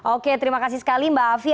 oke terima kasih sekali mbak afi